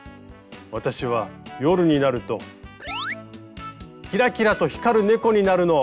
私は夜になるとキラキラと光る猫になるの。